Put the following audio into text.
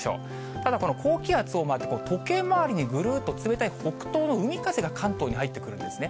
ただ、この高気圧を回る、時計回りにぐるっと冷たい北東の海風が、関東に入ってくるんですね。